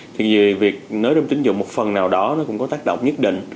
thì việc nối râm tính dụng một phần nào đó nó cũng có tác động nhất định